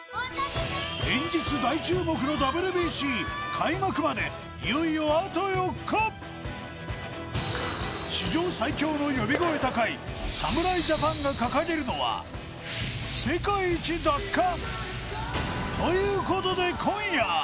連日大注目のＷＢＣ開幕までいよいよあと４日史上最強の呼び声高い侍ジャパンが掲げるのはということで今夜！